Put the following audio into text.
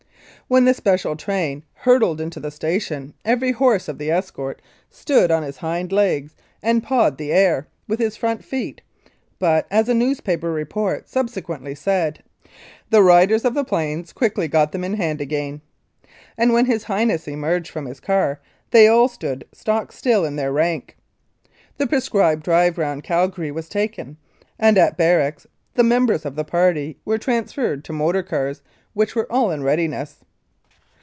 When the special train hurtled into the station every horse of the escort stood on his hind legs and pawed the air with his front feet, but, as a newspaper report sub sequently said, "The Riders of the Plains quickly got them in hand again/' and when His Highness emerged from his car they all stood stock still in their rank. The prescribed drive round Calgary was taken, and at barracks the members of the party were transferred to motor cars, which were all in readiness.